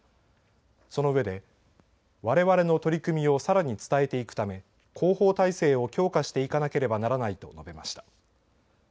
その上でわれわれの取り組みをさらに伝えていくため広報体制を強化していかなければならないと述べました。